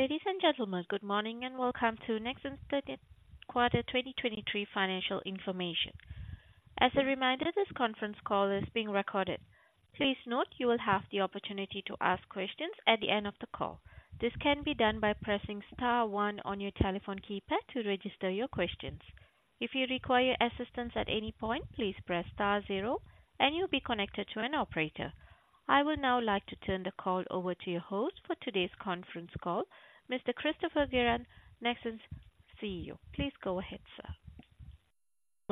Ladies and gentlemen, good morning, and welcome to Nexans Q2 2023 financial information. As a reminder, this conference call is being recorded. Please note, you will have the opportunity to ask questions at the end of the call. This can be done by pressing star one on your telephone keypad to register your questions. If you require assistance at any point, please press star zero, and you'll be connected to an operator. I would now like to turn the call over to your host for today's conference call, Mr. Christopher Guérin, Nexans CEO. Please go ahead, sir.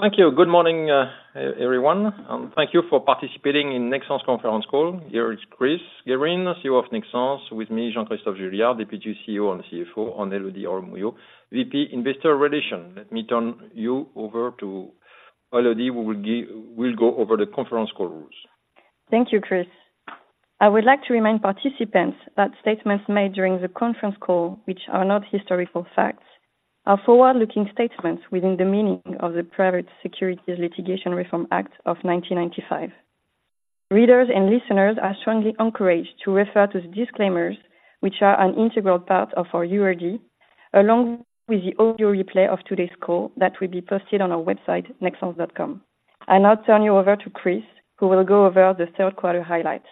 Thank you. Good morning, everyone, and thank you for participating in Nexans conference call. Here is Christopher Guérin, CEO of Nexans. With me, Jean-Christophe Juillard, Deputy CEO and CFO, and Élodie Robbe-Mouillot, VP, Investor Relations. Let me turn you over to Élodie, who will go over the conference call rules. Thank you, Chris. I would like to remind participants that statements made during the conference call which are not historical facts, are forward-looking statements within the meaning of the Private Securities Litigation Reform Act of 1995. Readers and listeners are strongly encouraged to refer to the disclaimers, which are an integral part of our URD, along with the audio replay of today's call that will be posted on our website, Nexans.com. I'll now turn you over to Chris, who will go over the Q2 highlights.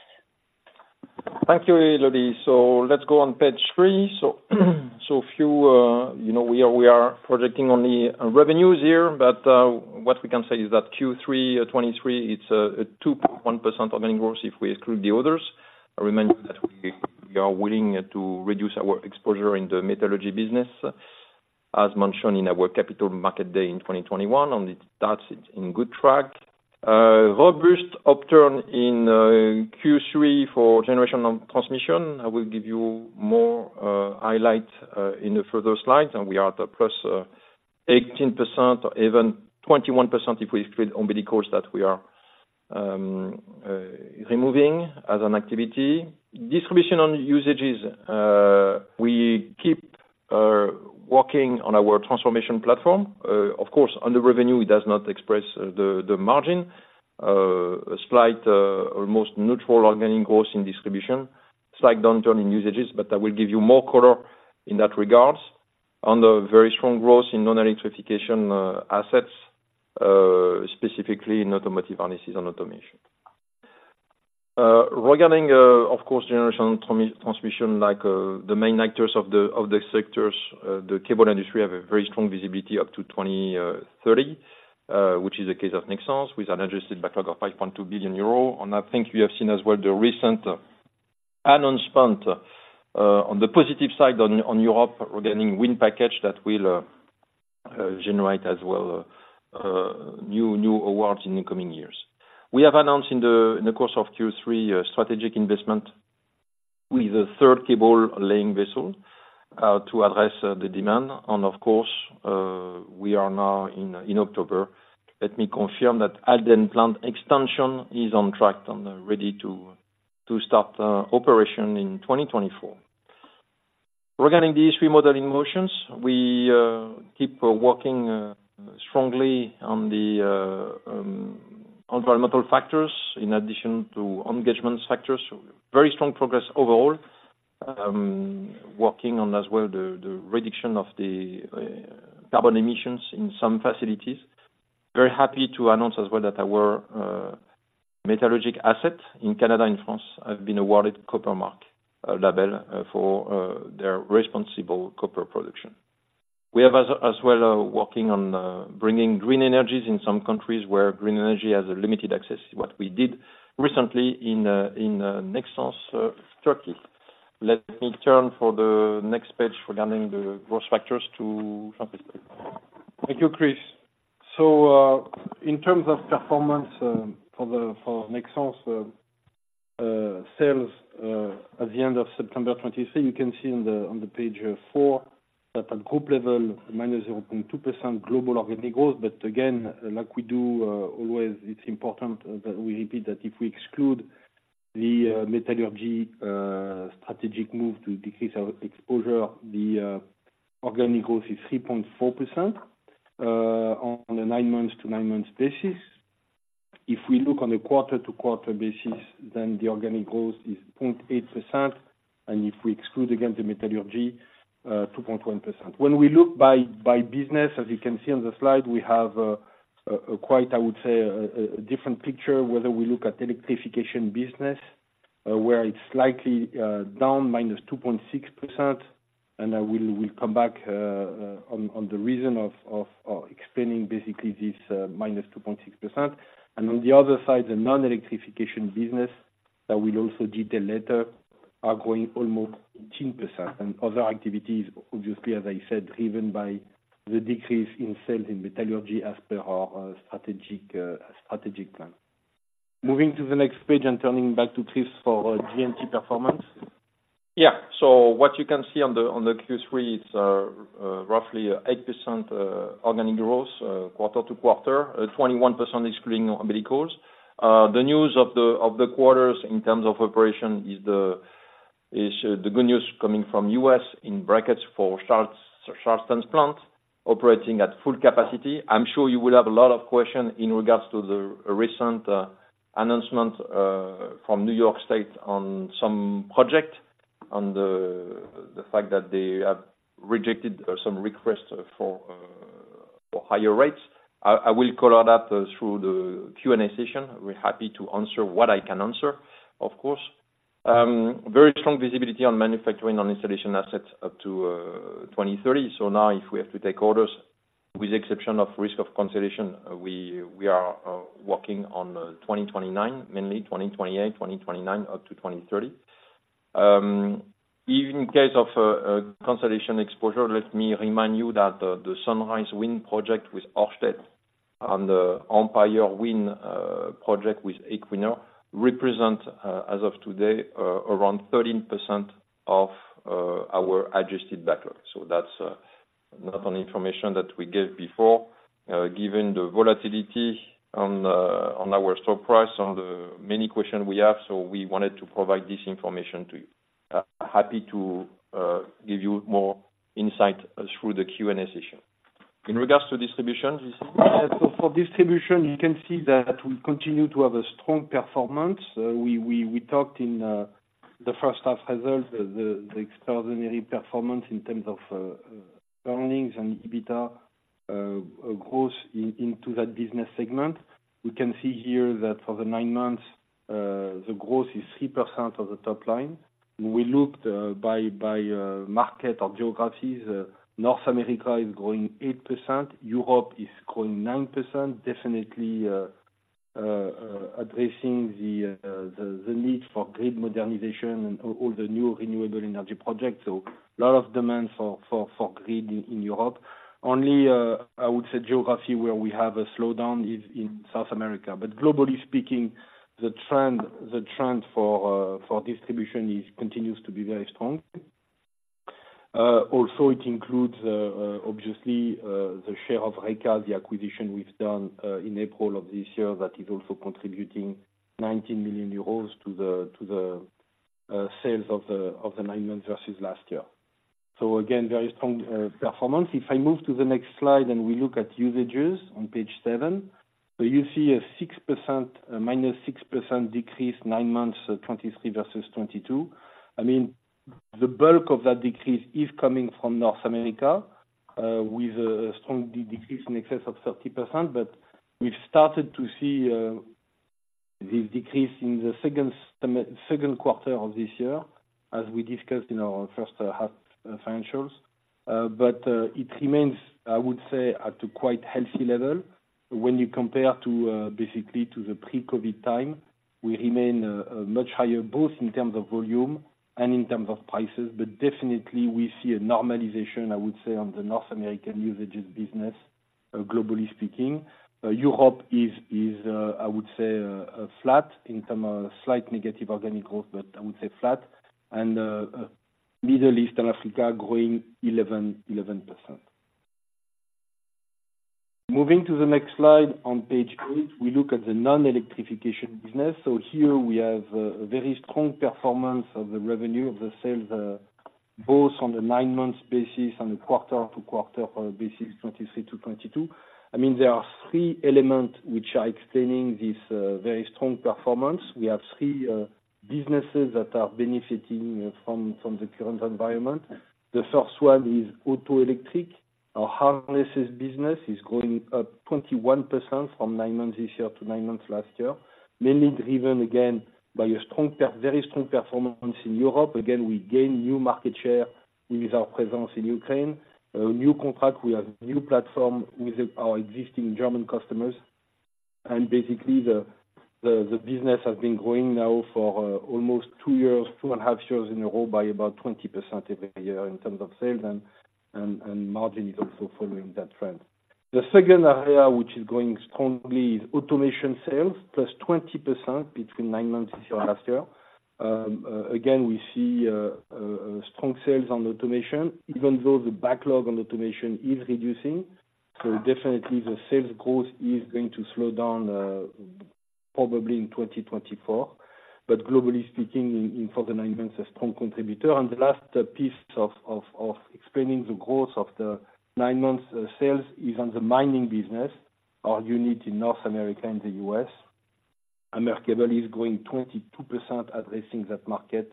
Thank you, Élodie. So let's go on page three. So, if you, you know, we are projecting only on revenues here, but what we can say is that Q3 2023, it's a 2.1% organic growth if we exclude the others. I remind you that we are willing to reduce our exposure in the metallurgy business, as mentioned in our capital market day in 2021, and it's on good track. Robust upturn in Q3 for generation and transmission. I will give you more highlights in the further slides, and we are at the +18% or even 21% if we include EuroAsia that we are removing as an activity. Distribution and usages, we keep working on our transformation platform. Of course, on the revenue, it does not express the margin. A slight almost neutral organic growth in distribution. Slight downturn in usages, but I will give you more color in that regard, on the very strong growth in non-electrification assets, specifically in automotive and Industrial automation. Regarding, of course, generation transmission, like the main actors of the sectors, the cable industry have a very strong visibility up to 2030, which is the case of Nexans, with an adjusted backlog of 5.2 billion euros. And I think we have seen as well, the recent announcement on the positive side on Europe, regarding wind package that will generate as well new awards in the coming years. We have announced in the, in the course of Q3, a strategic investment with a third cable laying vessel, to address, the demand. And of course, we are now in, in October. Let me confirm that Halden plant extension is on track and ready to, to start, operation in 2024. Regarding the ESG modeling motions, we, keep working, strongly on the, environmental factors in addition to engagement factors. So very strong progress overall. Working on as well, the, the reduction of the, carbon emissions in some facilities. Very happy to announce as well, that our, metallurgic asset in Canada and France, have been awarded Copper Mark, label, for, their responsible copper production. We are as well working on bringing green energies in some countries where green energy has a limited access, what we did recently in Nexans Turkey. Let me turn for the next page regarding the growth factors to Jean-Christophe. Thank you, Chris. So, in terms of performance, for Nexans, sales at the end of September 2023, you can see on the page 4, that at group level, -0.2% global organic growth. But again, like we do always, it's important that we repeat that if we exclude the metallurgy strategic move to decrease our exposure, the organic growth is 3.4%, on a nine-months-to-nine-months basis. If we look on a quarter-to-quarter basis, then the organic growth is 0.8%, and if we exclude again, the metallurgy, 2.1%. When we look by business, as you can see on the slide, we have a quite, I would say, a different picture, whether we look at electrification business, where it's slightly down -2.6%, and we'll come back on the reason of explaining basically this -2.6%. And on the other side, the non-electrification business, I will also detail later, are growing almost 18%. And other activities, obviously, as I said, driven by the decrease in sales in metallurgy as per our strategic plan. Moving to the next page and turning back to Chris for G&T performance. Yeah. So what you can see on the Q3, it's roughly 8%, organic growth quarter-over-quarter, 21% excluding Omnicourse. The news of the quarters in terms of operation is the good news coming from U.S. in brackets for heart, Charleston plant.... operating at full capacity. I'm sure you will have a lot of question in regards to the recent announcement from New York State on some project, on the fact that they have rejected some requests for higher rates. I will color that through the Q&A session. We're happy to answer what I can answer, of course. Very strong visibility on manufacturing on installation assets up to 2030. So now if we have to take orders, with exception of risk of consolidation, we are working on 2029, mainly 2028, 2029, up to 2030. Even in case of a consolidation exposure, let me remind you that the Sunrise Wind project with Ørsted, and the Empire Wind project with Equinor, represent as of today around 13% of our Adjusted Backlog. So that's not only information that we gave before, given the volatility on our stock price, on the many questions we have, so we wanted to provide this information to you. Happy to give you more insight through the Q&A session. In regards to distribution, for distribution, you can see that we continue to have a strong performance. We talked in the first half result, the extraordinary performance in terms of earnings and EBITDA growth into that business segment. We can see here that for the nine months, the growth is 3% of the top line. We looked by market or geographies. North America is growing 8%, Europe is growing 9%, definitely addressing the need for grid modernization and all the new renewable energy projects, so lot of demand for grid in Europe. Only, I would say geography where we have a slowdown is in South America. But globally speaking, the trend for distribution is continues to be very strong. Also it includes obviously the share of Reka, the acquisition we've done in April of this year, that is also contributing 19 million euros to the sales of the nine months versus last year. So again, very strong performance. If I move to the next slide, and we look at usages on page 7, so you see a -6% decrease, 9 months, 2023 versus 2022. I mean, the bulk of that decrease is coming from North America, with a strong decrease in excess of 30%. But we've started to see this decrease in the second quarter of this year, as we discussed in our first half financials. But it remains, I would say, at a quite healthy level. When you compare to basically to the pre-COVID time, we remain much higher, both in terms of volume and in terms of prices. But definitely we see a normalization, I would say, on the North American usages business, globally speaking. Europe is flat in terms of slight negative organic growth, but I would say flat. And Middle East and Africa growing 11%. Moving to the next slide on page 8, we look at the non-electrification business. So here we have a very strong performance of the revenue, of the sales, both on the nine months basis and the quarter-to-quarter basis, 2023 to 2022. I mean, there are three elements which are explaining this very strong performance. We have three businesses that are benefiting from the current environment. The first one is auto electric. Our harnesses business is growing at 21% from nine months this year to nine months last year. Mainly driven, again, by a very strong performance in Europe. Again, we gain new market share with our presence in Ukraine. A new contract, we have new platform with our existing German customers, and basically the business has been growing now for almost 2 years, 2.5 years in a row, by about 20% every year in terms of sales and margin is also following that trend. The second area, which is growing strongly, is automation sales, +20% between 9 months this year and last year. Again, we see strong sales on automation, even though the backlog on automation is reducing, so definitely the sales growth is going to slow down, probably in 2024. But globally speaking, in for the 9 months, a strong contributor. And the last piece of explaining the growth of the nine months sales is on the mining business, our unit in North America and the U.S. AmerCable is growing 22% addressing that market.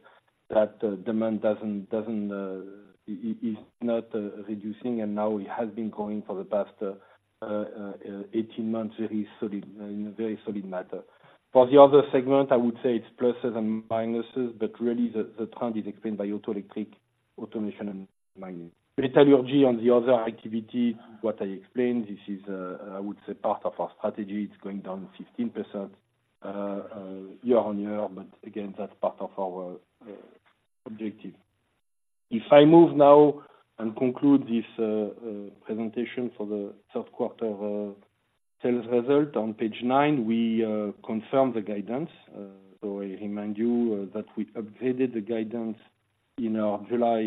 That demand doesn't... it is not reducing, and now it has been growing for the past 18 months, very solid, in a very solid matter. For the other segment, I would say it's pluses and minuses, but really the trend is explained by auto electric, automation, and mining. Metallurgy on the other activity, what I explained, this is, I would say part of our strategy. It's going down 15%, year-on-year, but again, that's part of our objective. If I move now and conclude this presentation for the Q2 sales result on page 9, we confirm the guidance. So I remind you that we upgraded the guidance in our July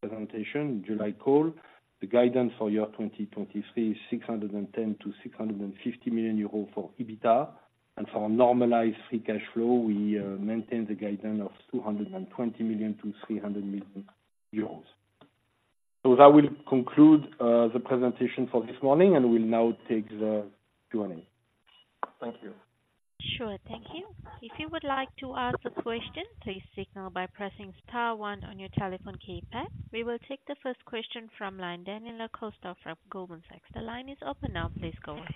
presentation, July call. The guidance for year 2023, 610 million-650 million euros for EBITDA, and for normalized free cash flow, we maintain the guidance of 220 million-300 million euros. ...So that will conclude the presentation for this morning, and we'll now take the Q&A. Thank you. Sure. Thank you. If you would like to ask a question, please signal by pressing star one on your telephone keypad. We will take the first question from line, Daniela Costa from Goldman Sachs. The line is open now, please go ahead.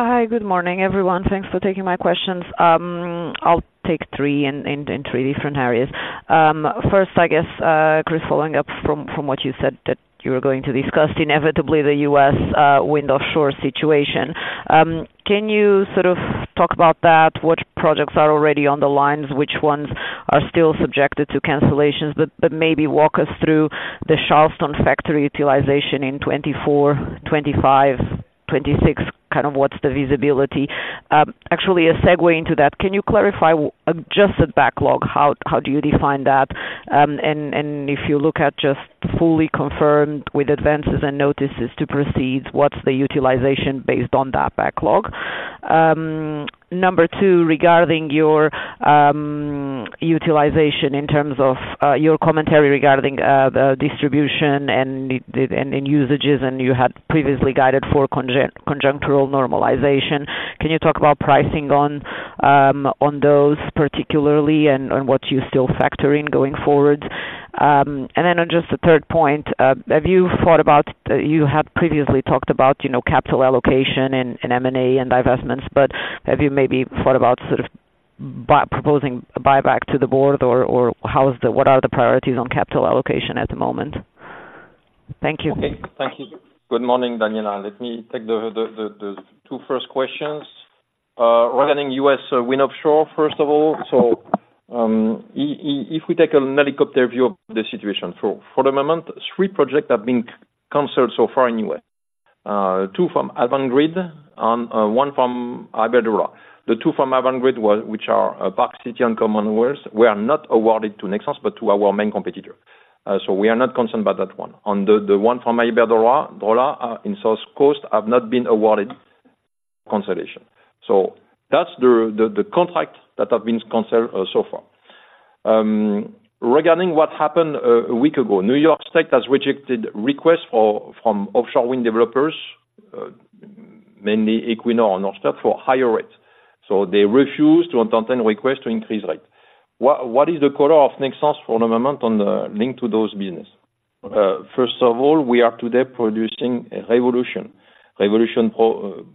Hi, good morning, everyone. Thanks for taking my questions. I'll take three in three different areas. First, I guess, Chris, following up from what you said, that you were going to discuss inevitably the U.S. offshore wind situation. Can you sort of talk about that? What projects are already on the lines? Which ones are still subjected to cancellations? But maybe walk us through the Charleston factory utilization in 2024, 2025, 2026, kind of what's the visibility? Actually, a segue into that, can you clarify just the backlog, how do you define that? And if you look at just fully confirmed with advances and notices to proceed, what's the utilization based on that backlog? Number two, regarding your utilization in terms of your commentary regarding the distribution and usages, and you had previously guided for conjunctural normalization, can you talk about pricing on those particularly and what you still factor in going forward? And then on just the third point, have you thought about, you had previously talked about, you know, capital allocation and M&A and divestments, but have you maybe thought about sort of proposing a buyback to the board or what are the priorities on capital allocation at the moment? Thank you. Okay. Thank you. Good morning, Daniela. Let me take the two first questions. Regarding U.S. offshore wind, first of all, so, if we take a helicopter view of the situation, for the moment, three projects have been canceled so far anyway. Two from Avangrid and one from Iberdrola. The two from Avangrid, which are Park City and Commonwealth, were not awarded to Nexans, but to our main competitor. So we are not concerned about that one. On the one from Iberdrola in SouthCoast, have not been awarded consolidation. So that's the contract that have been canceled so far. Regarding what happened a week ago, New York State has rejected requests for from offshore wind developers mainly Equinor and Ørsted for higher rates, so they refuse to entertain request to increase rate. What is the color of Nexans for the moment on the link to those business? First of all, we are today producing a Revolution. Revolution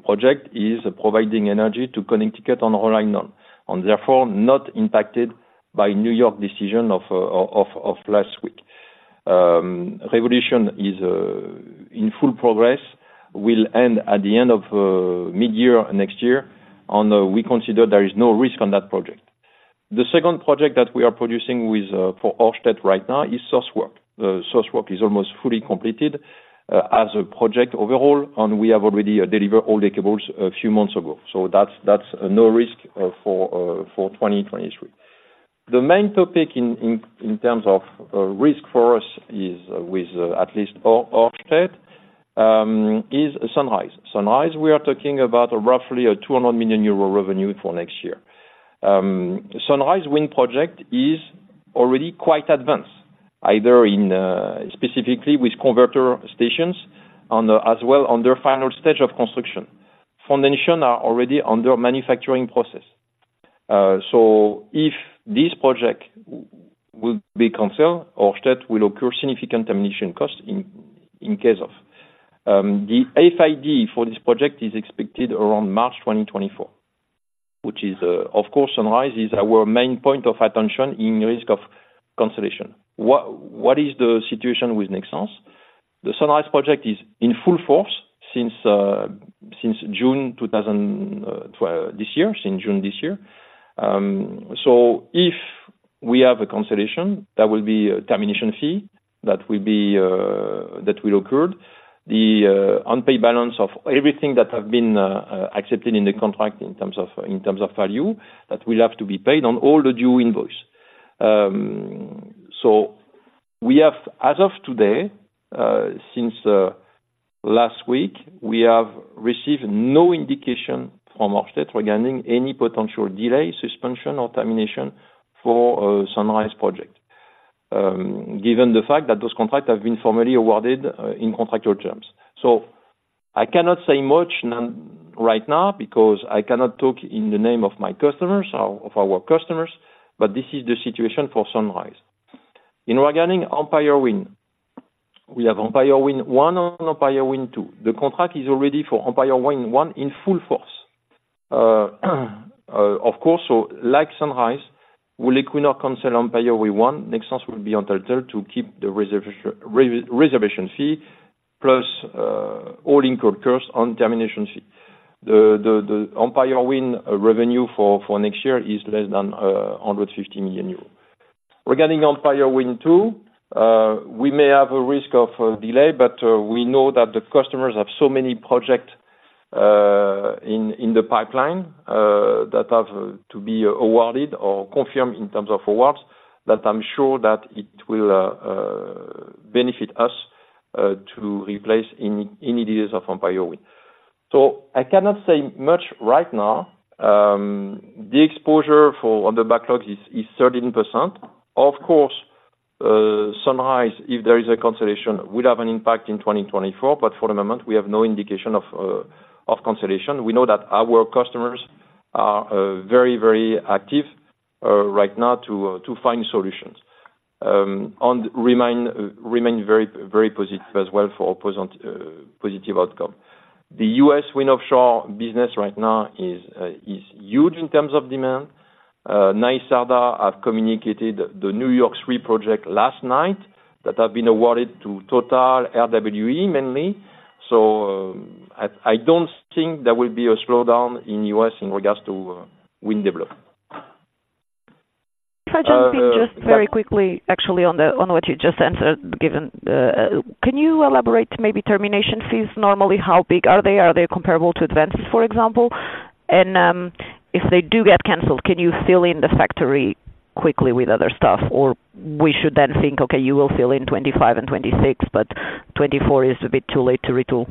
project is providing energy to Connecticut online now, and therefore not impacted by New York decision of last week. Revolution is in full progress, will end at the end of mid-year next year, and we consider there is no risk on that project. The second project that we are producing with for Ørsted right now is South Fork. The source work is almost fully completed, as a project overall, and we have already delivered all the cables a few months ago. So that's no risk for 2023. The main topic in terms of risk for us is with at least Ørsted is Sunrise. Sunrise, we are talking about roughly a 200 million euro revenue for next year. Sunrise Wind Project is already quite advanced, either in specifically with converter stations, as well on their final stage of construction. Foundation are already under manufacturing process. So if this project will be canceled, Ørsted will occur significant termination cost in case of. The FID for this project is expected around March 2024, which is, of course, Sunrise is our main point of attention in risk of cancellation. What is the situation with Nexans? The Sunrise project is in full force since June 2024 this year, since June this year. So if we have a cancellation, there will be a termination fee that will be that will occurred. The unpaid balance of everything that have been accepted in the contract in terms of, in terms of value, that will have to be paid on all the due invoice. So we have, as of today, since last week, we have received no indication from Ørsted regarding any potential delay, suspension or termination for Sunrise project, given the fact that those contracts have been formally awarded in contractual terms. I cannot say much not right now, because I cannot talk in the name of my customers, of our customers, but this is the situation for Sunrise. Regarding Empire Wind, we have Empire Wind 1 and Empire Wind 2. The contract is already for Empire Wind 1 in full force. Of course, so like Sunrise, will Equinor cancel Empire Wind 1, Nexans will be entitled to keep the reservation fee, plus all incurred costs on termination fee. The Empire Wind revenue for next year is less than 150 million euros. Regarding Empire Wind 2, we may have a risk of delay, but we know that the customers have so many projects in the pipeline that have to be awarded or confirmed in terms of awards, that I'm sure that it will benefit us to replace any ideas of Empire Wind. So I cannot say much right now. The exposure on the backlog is 13%. Of course, Sunrise Wind, if there is a cancellation, will have an impact in 2024, but for the moment, we have no indication of cancellation. We know that our customers are very, very active right now to find solutions. We remain very, very positive as well for a positive outcome. The U.S. wind offshore business right now is huge in terms of demand. NYSERDA have communicated the New York 3 project last night, that have been awarded to Total, RWE mainly. So, I, I don't think there will be a slowdown in U.S. in regards to, wind development. Can I jump in just very quickly, actually, on what you just answered, given? Can you elaborate maybe on termination fees? Normally, how big are they? Are they comparable to advances, for example? And if they do get canceled, can you fill in the factory quickly with other stuff? Or should we then think, okay, you will fill in 25 and 26, but 24 is a bit too late to retool.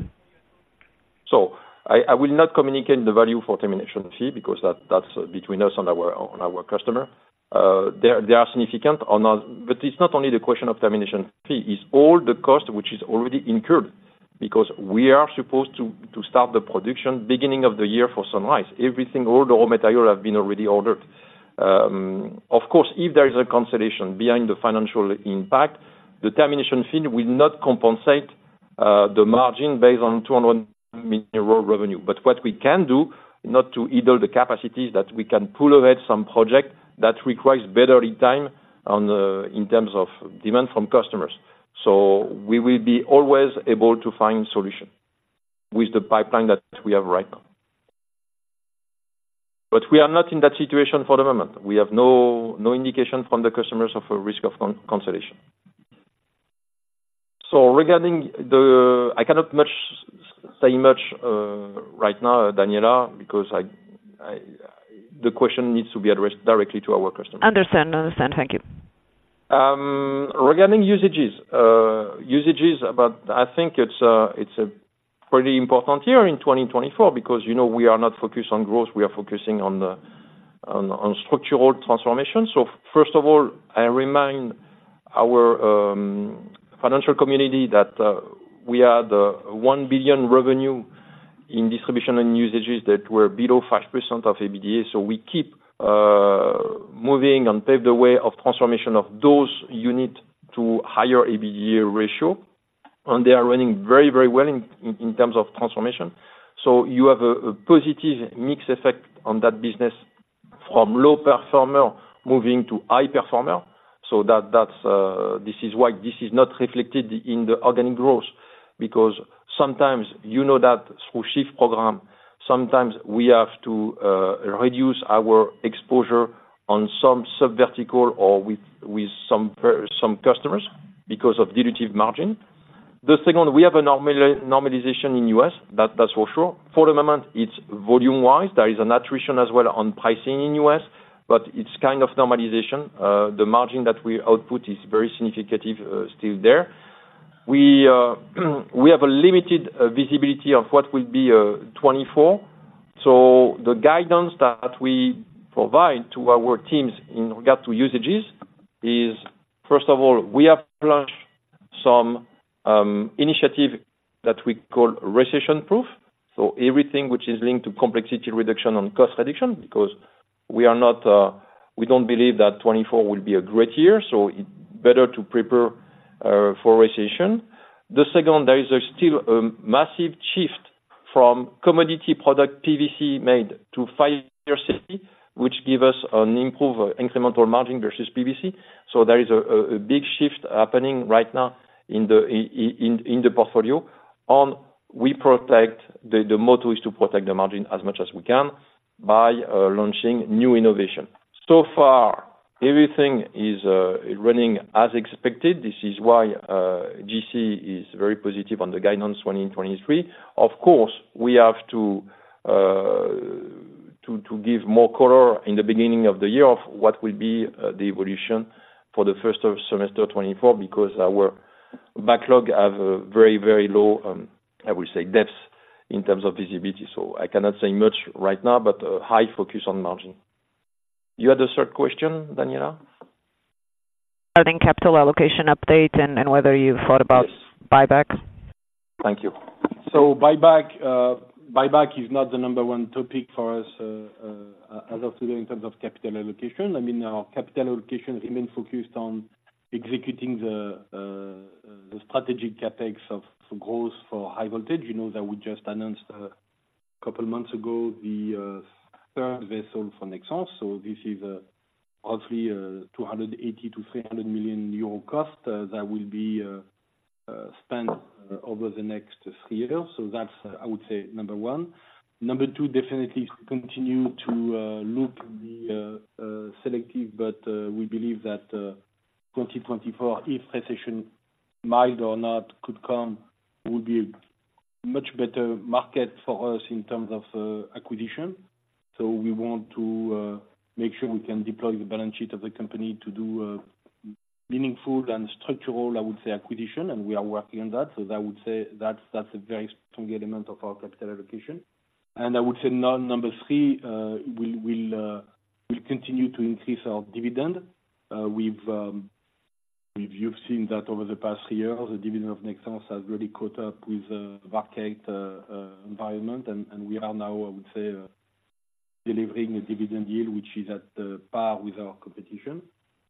So I will not communicate the value for termination fee, because that's between us and our customer. They are significant or not, but it's not only the question of termination fee, it's all the cost which is already incurred, because we are supposed to start the production beginning of the year for Sunrise. Everything, all the raw material have been already ordered. Of course, if there is a cancellation behind the financial impact, the termination fee will not compensate the margin based on 200 million euro revenue. But what we can do, not to idle the capacities, that we can pull ahead some project that requires better lead time on, in terms of demand from customers. So we will be always able to find solution with the pipeline that we have right now. But we are not in that situation for the moment. We have no indication from the customers of a risk of cancellation. So regarding the... I cannot say much right now, Daniela, because I, the question needs to be addressed directly to our customers. Understand. Understand. Thank you. Regarding usages, but I think it's a pretty important year in 2024, because, you know, we are not focused on growth, we are focusing on structural transformation. So first of all, I remind our financial community that we had 1 billion revenue in distribution and usages that were below 5% of EBITDA. So we keep moving and pave the way of transformation of those unit to higher EBITDA ratio. And they are running very, very well in terms of transformation. So you have a positive mix effect on that business from low performer moving to high performer, so that's this is why this is not reflected in the organic growth. Because sometimes you know that through shift program, sometimes we have to reduce our exposure on some sub-vertical or with some customers, because of dilutive margin. The second, we have a normalization in U.S., that's for sure. For the moment, it's volume-wise, there is an attrition as well on pricing in U.S., but it's kind of normalization. The margin that we output is very significative, still there. We have a limited visibility of what will be 2024, so the guidance that we provide to our teams in regard to usages is, first of all, we have launched some initiative that we call recession-proof. So everything which is linked to complexity reduction and cost reduction, because we are not, we don't believe that 2024 will be a great year, so it better to prepare for recession. The second, there is still a massive shift from commodity product PVC made to fire safety, which give us an improved incremental margin versus PVC. So there is a big shift happening right now in the portfolio. On we protect, the motto is to protect the margin as much as we can by launching new innovation. So far, everything is running as expected. This is why, GC is very positive on the guidance 2023. Of course, we have to give more color in the beginning of the year of what will be, the evolution for the first semester 2024, because our backlog have a very, very low, I would say, depth in terms of visibility. So I cannot say much right now, but a high focus on margin. You had a third question, Daniela?... Adding capital allocation update and whether you've thought about- Yes. -buyback? Thank you. So buyback, buyback is not the number one topic for us, as of today, in terms of capital allocation. I mean, our capital allocation remains focused on executing the strategic CapEx for growth, for high voltage. You know, that we just announced couple months ago, the third vessel for Nexans. So this is roughly 280-300 million euro cost that will be spent over the next three years. So that's, I would say, number one. Number two, definitely continue to look the selective, but we believe that 2024, if recession, mild or not, could come, will be a much better market for us in terms of acquisition... So we want to make sure we can deploy the balance sheet of the company to do a meaningful and structural, I would say, acquisition, and we are working on that. So I would say that's a very strong element of our capital allocation. And I would say now, number three, we'll continue to increase our dividend. You've seen that over the past year, the dividend of Nexans has really caught up with the market environment, and we are now, I would say, delivering a dividend yield, which is at par with our competition.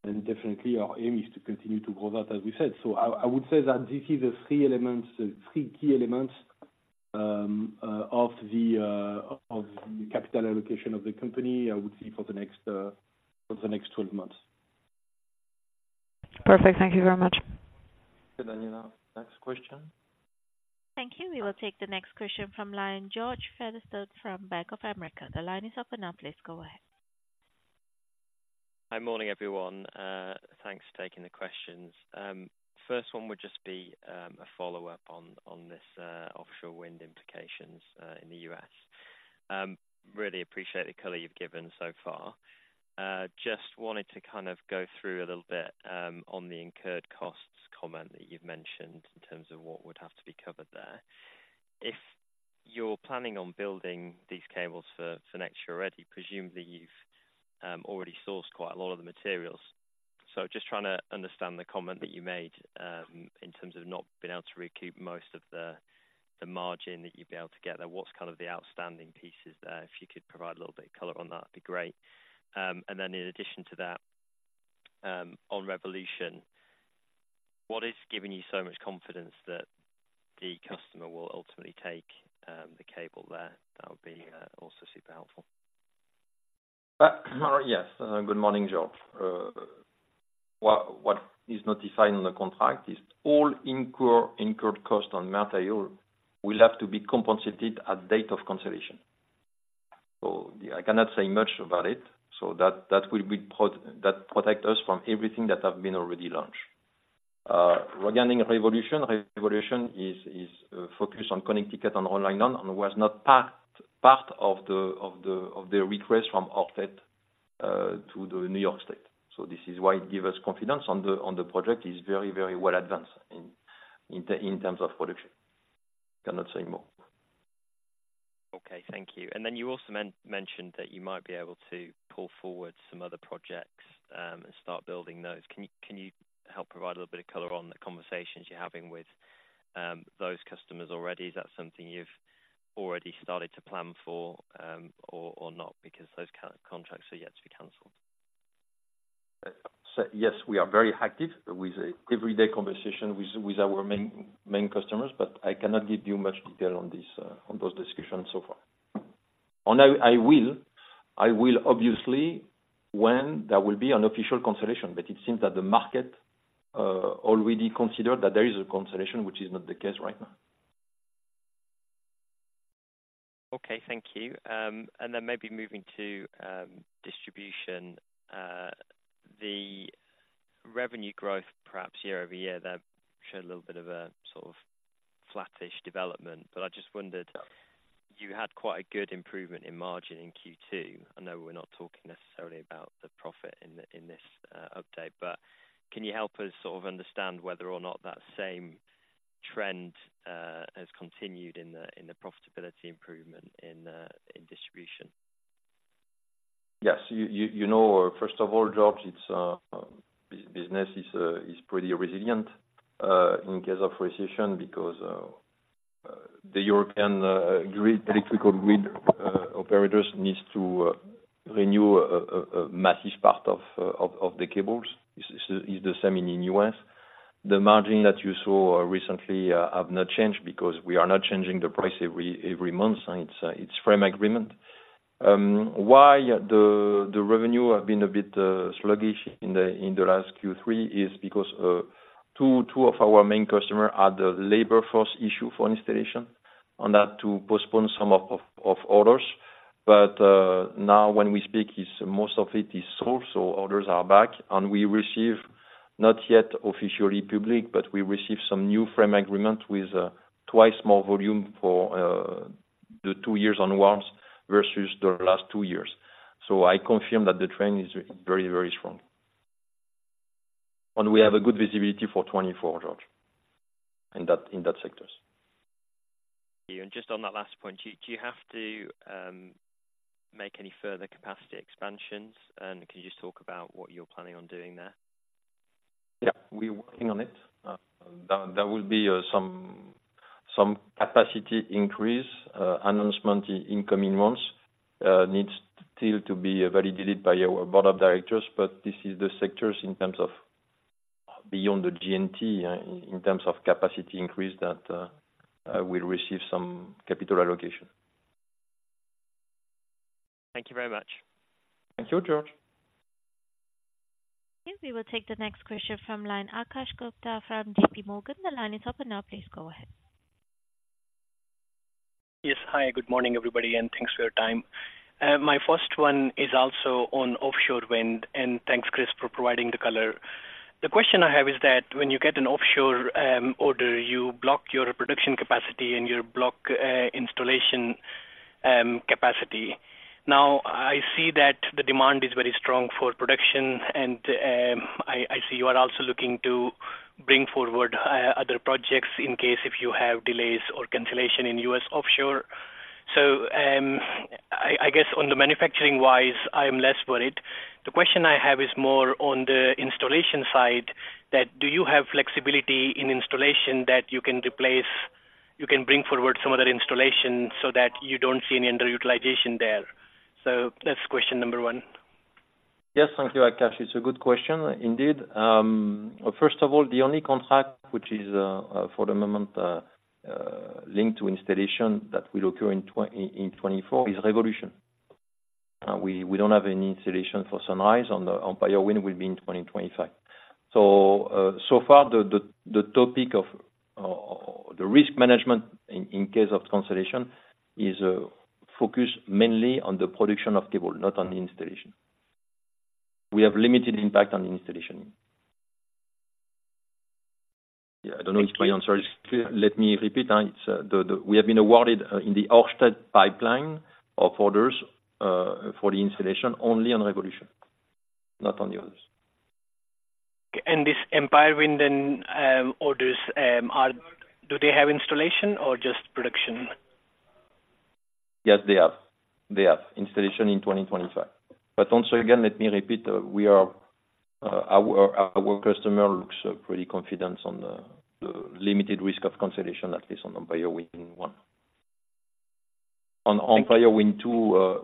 And definitely our aim is to continue to grow that, as we said. So I would say that this is the three elements, the three key elements, of the capital allocation of the company. I would say for the next 12 months. Perfect. Thank you very much. Good, Daniela. Next question. Thank you. We will take the next question from line, George Featherstone from Bank of America. The line is open now, please go ahead. Hi. Morning, everyone. Thanks for taking the questions. First one would just be a follow-up on this offshore wind implications in the U.S. Really appreciate the color you've given so far. Just wanted to kind of go through a little bit on the incurred costs comment that you've mentioned in terms of what would have to be covered there. If you're planning on building these cables for next year already, presumably you've already sourced quite a lot of the materials. So just trying to understand the comment that you made in terms of not being able to recoup most of the margin that you'd be able to get there. What's kind of the outstanding pieces there? If you could provide a little bit of color on that, that'd be great. And then in addition to that, on Revolution, what is giving you so much confidence that the customer will ultimately take the cable there? That would be also super helpful. Yes. Good morning, George. What is notified on the contract is all incurred cost on material will have to be compensated at date of cancellation. So I cannot say much about it, so that will protect us from everything that have been already launched. Regarding Revolution, Revolution is focused on Connecticut and Rhode Island, and was not part of the request from Ørsted to the New York State. So this is why it give us confidence on the project, is very well advanced in terms of production. Cannot say more. Okay, thank you. And then you also mentioned that you might be able to pull forward some other projects, and start building those. Can you help provide a little bit of color on the conversations you're having with those customers already? Is that something you've already started to plan for, or not, because those contracts are yet to be canceled? Yes, we are very active with an everyday conversation with, with our main, main customers, but I cannot give you much detail on this, on those discussions so far. I, I will, I will obviously, when there will be an official consolidation, but it seems that the market already considered that there is a consolidation, which is not the case right now. Okay, thank you. And then maybe moving to distribution. The revenue growth perhaps year-over-year, that showed a little bit of a sort of flatish development, but I just wondered, you had quite a good improvement in margin in Q2. I know we're not talking necessarily about the profit in the, in this update, but can you help us sort of understand whether or not that same trend has continued in the, in the profitability improvement in distribution? Yes. You know, first of all, George, it's business is pretty resilient in case of recession, because the European grid, electrical grid, operators needs to renew a massive part of the cables. Is the same in U.S. The margin that you saw recently have not changed, because we are not changing the price every month, and it's a frame agreement. Why the revenue have been a bit sluggish in the last Q3 is because two of our main customer had a labor force issue for installation, on that to postpone some of orders. But, now when we speak, most of it is sold, so orders are back, and we receive, not yet officially public, but we receive some new frame agreement with twice more volume for the two years on ones, versus the last two years. So I confirm that the trend is very, very strong. And we have a good visibility for 2024, George, in that sector. Just on that last point, do you have to make any further capacity expansions? Can you just talk about what you're planning on doing there? Yeah, we're working on it. There will be some capacity increase announcement in coming months. Needs still to be validated by our board of directors, but this is the sectors in terms of beyond the G&T, in terms of capacity increase that I will receive some capital allocation. Thank you very much. Thank you, George. We will take the next question from line, Akash Gupta, from JP Morgan. The line is open now, please go ahead. Yes. Hi, good morning, everybody, and thanks for your time. My first one is also on offshore wind, and thanks, Chris, for providing the color. The question I have is that when you get an offshore order, you block your production capacity and you block installation capacity. Now, I see that the demand is very strong for production, and I see you are also looking to bring forward other projects in case if you have delays or cancellation in U.S. offshore. So, I guess on the manufacturing-wise, I'm less worried. The question I have is more on the installation side, that do you have flexibility in installation that you can replace- you can bring forward some other installation, so that you don't see any underutilization there? So that's question number one. Yes, thank you, Akash, it's a good question indeed. First of all, the only contract which is, for the moment, linked to installation that will occur in 2024, is Revolution. We don't have any installation for Sunrise; Empire Wind will be in 2025. So far, the topic of the risk management in case of cancellation is focused mainly on the production of cable, not on the installation. We have limited impact on the installation. Yeah, I don't know if my answer is clear. Let me repeat, it's the... We have been awarded, in the Ørsted pipeline of orders, for the installation only on Revolution, not on the others. This Empire Wind and orders, do they have installation or just production? Yes, they have. They have installation in 2025. But also, again, let me repeat, we are, our, our customer looks pretty confident on the, the limited risk of cancellation, at least on Empire Wind 1. On Empire Wind 2,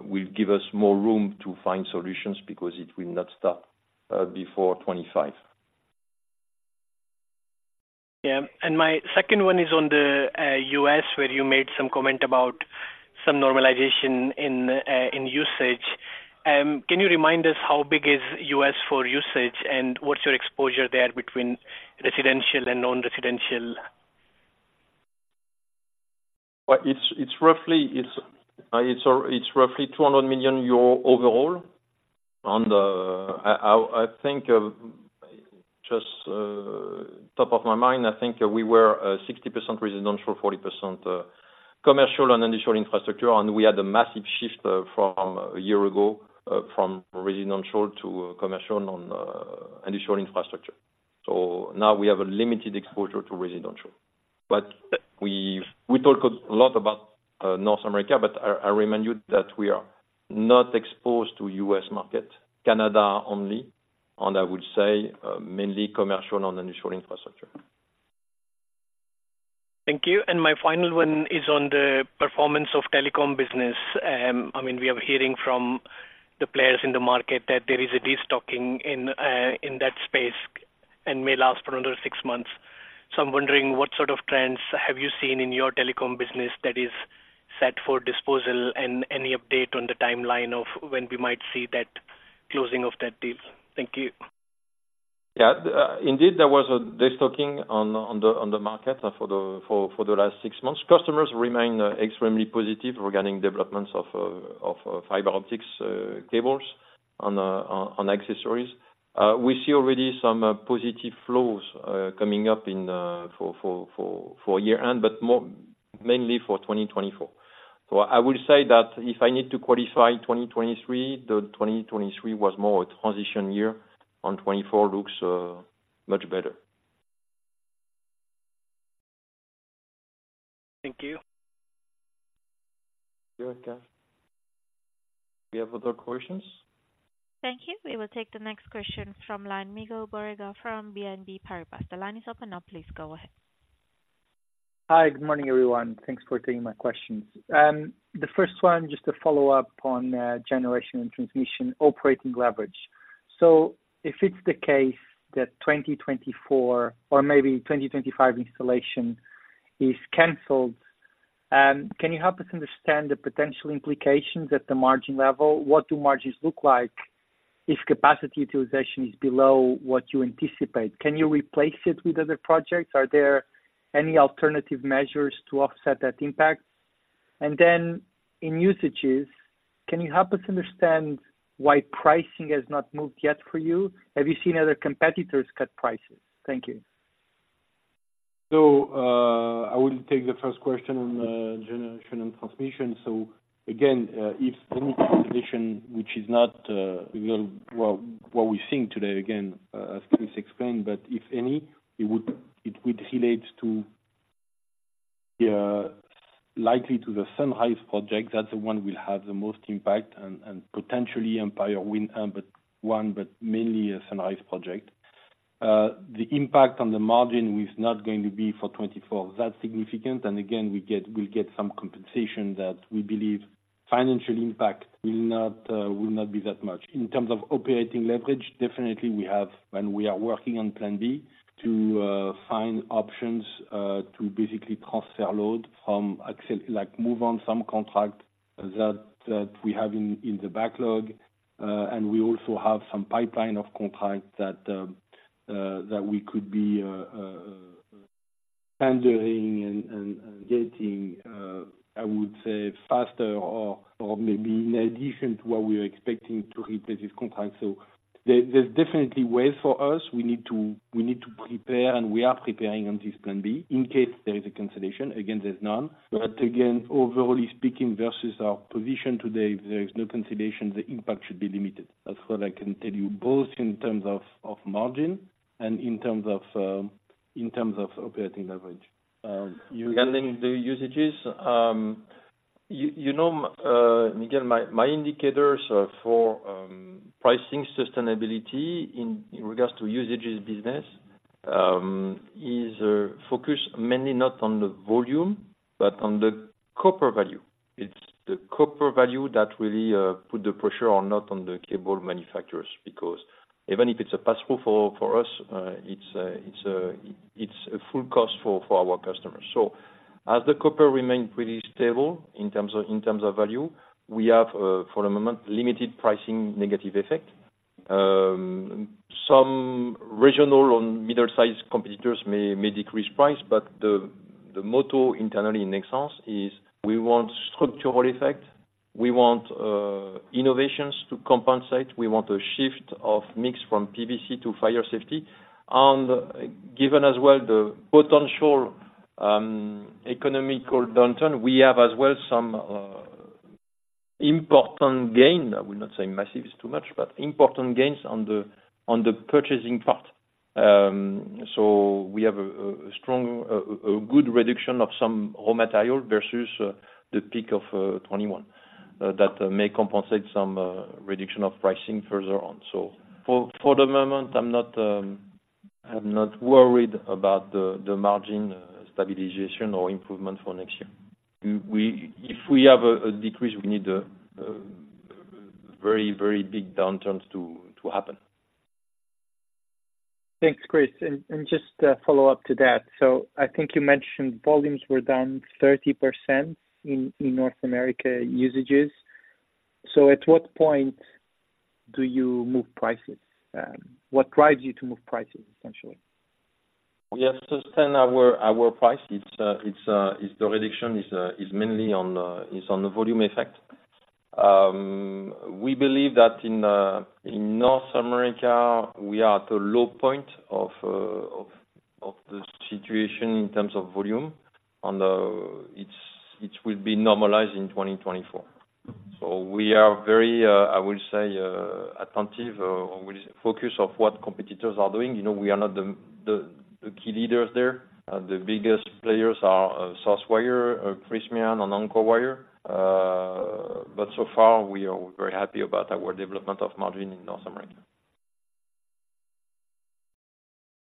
will give us more room to find solutions because it will not start, before 2025. Yeah. My second one is on the U.S., where you made some comment about some normalization in usage. Can you remind us how big is U.S. for usage, and what's your exposure there between residential and non-residential? Well, it's roughly 200 million euro overall. On the... I think, just top of my mind, I think we were 60% residential, 40% commercial and industrial infrastructure. We had a massive shift from a year ago from residential to commercial on industrial infrastructure. So now we have a limited exposure to residential. But we've talked a lot about North America, but I remind you that we are not exposed to U.S. market, Canada only, and I would say mainly commercial and industrial infrastructure. Thank you. And my final one is on the performance of telecom business. I mean, we are hearing from the players in the market that there is a destocking in, in that space, and may last for another six months. So I'm wondering, what sort of trends have you seen in your telecom business that is set for disposal? And any update on the timeline of when we might see that closing of that deal? Thank you. Yeah. Indeed, there was a destocking on the market for the last six months. Customers remain extremely positive regarding developments of fiber optics cables on accessories. We see already some positive flows coming up for year end, but more mainly for 2024. So I will say that if I need to qualify 2023, the 2023 was more a transition year, and 2024 looks much better. Thank you. You're welcome. Do you have other questions? Thank you. We will take the next question from line. Miguel Borrega from BNP Paribas. The line is open now, please go ahead. Hi. Good morning, everyone. Thanks for taking my questions. The first one, just to follow up on, Generation and Transmission operating leverage. So if it's the case that 2024 or maybe 2025 installation is canceled, can you help us understand the potential implications at the margin level? What do margins look like if capacity utilization is below what you anticipate? Can you replace it with other projects? Are there any alternative measures to offset that impact? And then in Usages, can you help us understand why pricing has not moved yet for you? Have you seen other competitors cut prices? Thank you. So, I will take the first question on Generation and Transmission. So again, if any cancellation, which is not, we will... Well, what we think today, again, as Chris explained, but if any, it would, it would relate to, likely to the Sunrise project, that's the one will have the most impact and, and potentially Empire Wind, but one, but mainly a Sunrise project. The impact on the margin is not going to be for 2024, that's significant, and again, we'll get some compensation that we believe financial impact will not, will not be that much. In terms of operating leverage, definitely, we have, and we are working on plan B, to, find options, to basically transfer load like, move on some contract that, that we have in, in the backlog. And we also have some pipeline of contracts that we could be handling and getting, I would say, faster or maybe in addition to what we are expecting to replace this contract. So, there's definitely ways for us. We need to prepare, and we are preparing on this plan B, in case there is a cancellation. Again, there's none. But again, overall speaking versus our position today, there is no cancellation. The impact should be limited. That's what I can tell you, both in terms of margin and in terms of operating leverage. Regarding the usages, you know, Miguel, my indicators are for pricing sustainability in regards to usages business is focused mainly not on the volume, but on the copper value. It's the copper value that really put the pressure or not on the cable manufacturers, because even if it's a pass through for us, it's a full cost for our customers. So as the copper remain pretty stable in terms of value, we have for the moment, limited pricing negative effect. Some regional or middle-sized competitors may decrease price, but the motto internally in Nexans is, we want structural effect. We want innovations to compensate. We want a shift of mix from PVC to fire safety. Given as well the potential economic downturn, we have as well some important gain. I would not say massive is too much, but important gains on the purchasing part. So we have a strong, good reduction of some raw material versus the peak of 2021 that may compensate some reduction of pricing further on. For the moment, I'm not worried about the margin stabilization or improvement for next year. We, if we have a decrease, we need a very, very big downturn to happen. Thanks, Chris, and just a follow-up to that. So I think you mentioned volumes were down 30% in North America usages. So at what point do you move prices? What drives you to move prices, essentially? We have to sustain our price. It's the reduction is mainly on the volume effect. We believe that in North America, we are at a low point of the situation in terms of volume, and it will be normalized in 2024. We are very, I will say, attentive or focused of what competitors are doing. You know, we are not the key leaders there. The biggest players are Southwire, Prysmian, and Encore Wire. But so far, we are very happy about our development of margin in North America.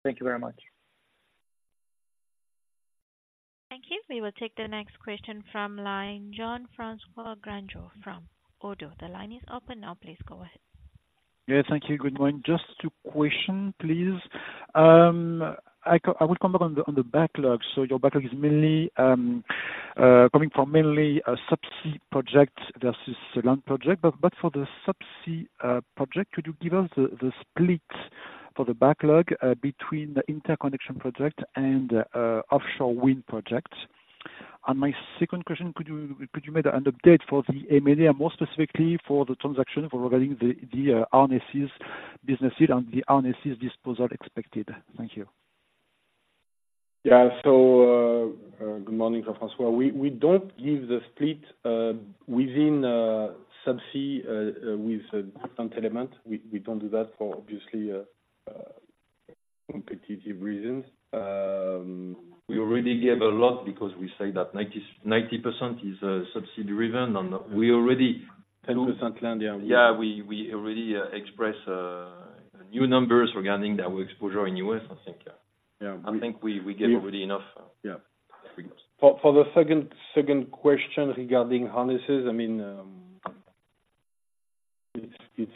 Thank you very much. Thank you. We will take the next question from line, Jean-François Granjon from Oddo BHF. The line is open now, please go ahead. Yeah, thank you. Good morning. Just two question, please. I would come back on the backlog. So your backlog is mainly coming from mainly a subsea project versus a land project. But, but for the subsea project, could you give us the split for the backlog between the interconnection project and offshore wind projects? And my second question, could you make an update for the M&A, more specifically for the transaction for regarding the harnesses businesses and the harnesses disposal expected? Thank you. Yeah. Good morning, Franco. We don't give the split within subsea with different element. We don't do that for obviously competitive reasons. We already gave a lot because we say that 90-90% is subsea driven, and we already- 10% land, yeah. Yeah, we already expressed new numbers regarding our exposure in U.S., I think, yeah. Yeah. I think we gave already enough. Yeah. For the second question regarding harnesses, I mean, it's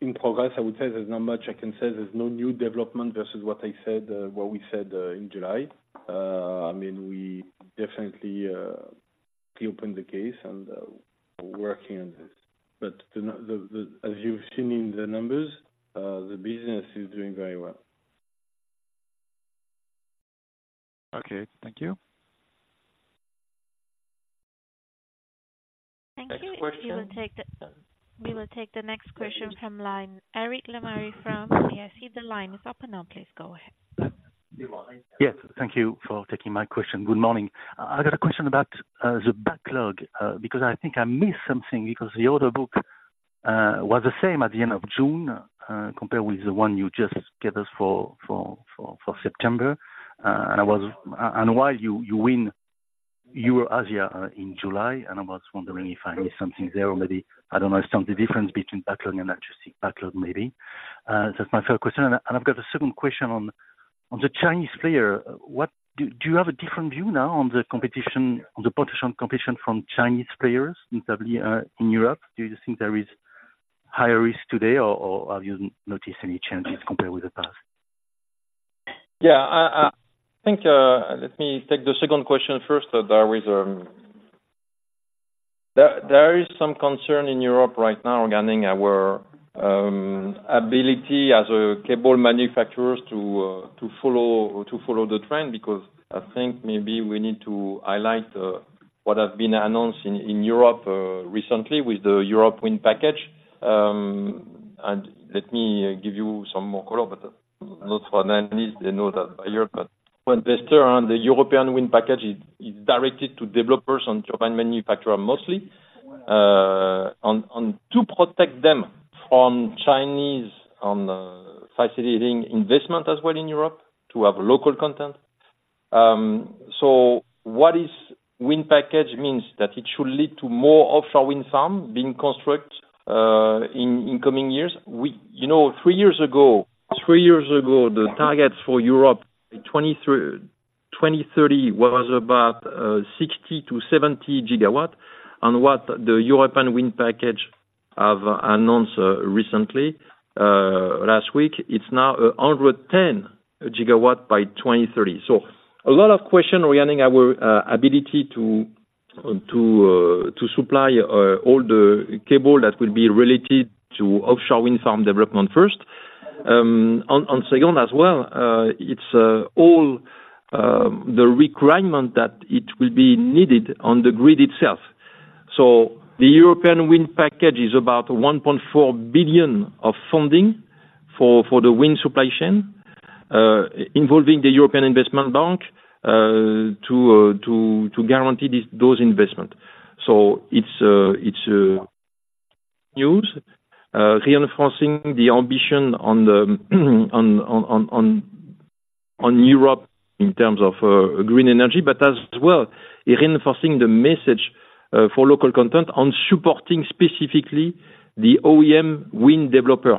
in progress. I would say there's not much I can say. There's no new development versus what I said, what we said, in July. I mean, we definitely keep open the case and working on this. But as you've seen in the numbers, the business is doing very well. Okay, thank you. Thank you. Next question. We will take the next question from line, Eric Lemarié from CIC. The line is open now, please go ahead. Good morning. Yes, thank you for taking my question. Good morning. I got a question about the backlog because I think I missed something, because the order book was the same at the end of June compared with the one you just gave us for September. And while you won Europe, Asia in July, and I was wondering if I missed something there, or maybe, I don't know, some of the difference between backlog and adjusted backlog, maybe. That's my third question. And I've got a second question on the Chinese player. Do you have a different view now on the competition, on the potential competition from Chinese players, notably in Europe? Do you think there is higher risk today or have you noticed any changes compared with the past? Yeah. I think, let me take the second question first. There is some concern in Europe right now regarding our ability as a cable manufacturers to follow, to follow the trend, because I think maybe we need to highlight what has been announced in Europe recently with the European Wind Package. And let me give you some more color, but not for nine years, they know that by Europe, but when they turn on the European Wind Package, it's directed to developers and turbine manufacturer mostly, on to protect them from Chinese on, facilitating investment as well in Europe to have local content. So what is wind package means that it should lead to more offshore wind farm being constructed in coming years. You know, three years ago, three years ago, the targets for Europe, 2030 was about 60-70 gigawatt, and what the European Wind Package have announced recently, last week, it's now 110 gigawatt by 2030. So a lot of question regarding our ability to supply all the cable that will be related to offshore wind farm development first. On second as well, it's all the requirement that it will be needed on the grid itself. So the European Wind Package is about 1.4 billion of funding for the wind supply chain, involving the European Investment Bank, to guarantee this, those investment. So it's news reinforcing the ambition on Europe in terms of green energy, but as well, reinforcing the message for local content on supporting specifically the OEM wind developer,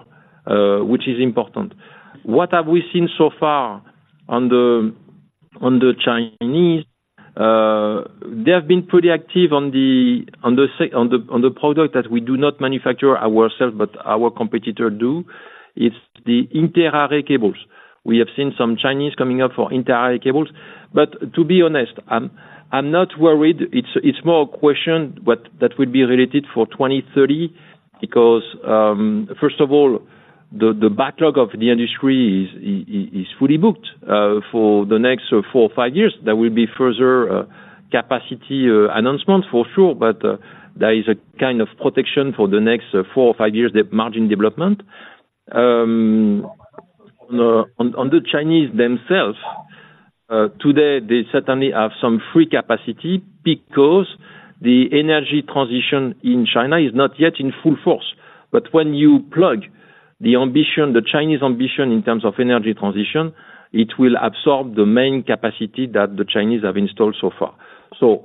which is important. What have we seen so far on the Chinese? They have been pretty active on the product that we do not manufacture ourselves, but our competitor do. It's the Interarray cables. We have seen some Chinese coming up for Interarray cables, but to be honest, I'm not worried. It's more a question, but that will be related for 2030, because first of all, the backlog of the industry is fully booked for the next four or five years. There will be further capacity announcements for sure, but there is a kind of protection for the next four or five years, the margin development. On the Chinese themselves, today, they certainly have some free capacity because the energy transition in China is not yet in full force. But when you plug the ambition, the Chinese ambition in terms of energy transition, it will absorb the main capacity that the Chinese have installed so far. So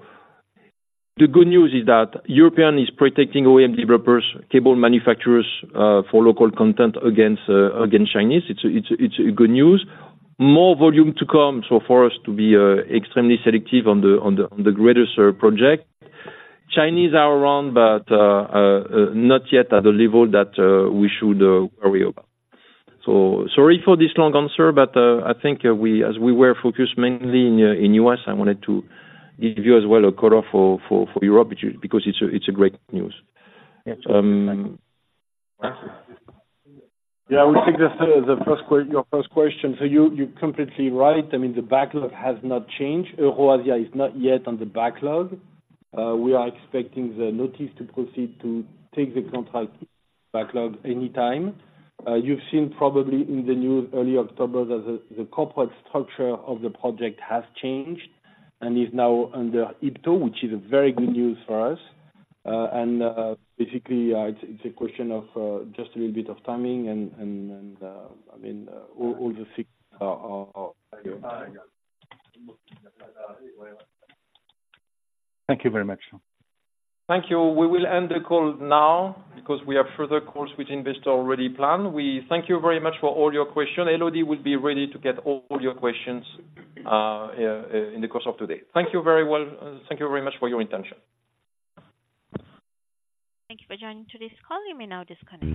the good news is that European is protecting OEM developers, cable manufacturers, for local content against Chinese. It's a good news. More volume to come, so for us to be extremely selective on the greater sir project. Chinese are around, but not yet at the level that we should worry about. So sorry for this long answer, but I think, as we were focused mainly in U.S., I wanted to give you as well a color for Europe, which is because it's a great news. Yeah, I would think that your first question, so you're completely right. I mean, the backlog has not changed. EuroAsia is not yet on the backlog. We are expecting the notice to proceed to take the contract backlog anytime. You've seen probably in the news early October that the corporate structure of the project has changed and is now under IPTO, which is a very good news for us. And basically, it's a question of just a little bit of timing. I mean, all the things are- Thank you very much. Thank you. We will end the call now, because we have further calls with investors already planned. We thank you very much for all your questions. Elodie will be ready to get all your questions in the course of today. Thank you very much. Thank you very much for your attention. Thank you for joining today's call. You may now disconnect.